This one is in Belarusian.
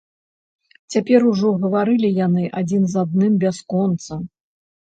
Цяпер ужо гаварылі яны адзін з адным бясконца.